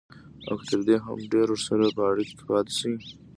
او که تر دې هم ډېر ورسره په اړيکه کې پاتې شي.